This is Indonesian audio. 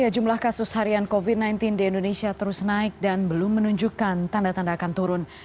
jumlah kasus harian covid sembilan belas di indonesia terus naik dan belum menunjukkan tanda tanda akan turun